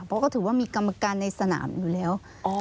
เพราะก็ถือว่ามีกรรมการในสนามอยู่แล้ว